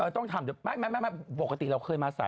ต้องทำเดี๋ยวไม่ปกติเราเคยมาสาย